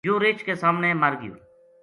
یوہ رچھ کے سامنے مر گیو